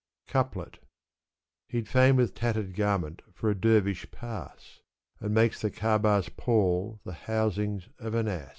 Couplet, He'd £sdn with tattered garment for a dervish pass, And makes the Kaba's ' pall the housings of an ass.